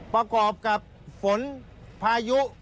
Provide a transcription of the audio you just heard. ประกอบกับฝนพายุ